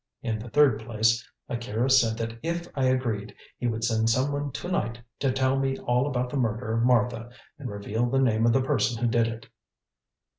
In the third place, Akira said that if I agreed, he would send someone to night to tell me all about the murder of Martha and reveal the name of the person who did it."